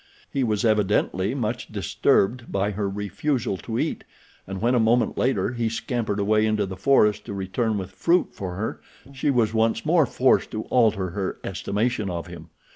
He was evidently much disturbed by her refusal to eat, and when, a moment later, he scampered away into the forest to return with fruit for her she was once more forced to alter her estimation of him.